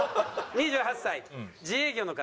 ２８歳自営業の方。